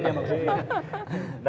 belum turun hujan ya